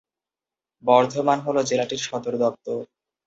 বর্ধমান হল জেলাটির সদর দপ্তর।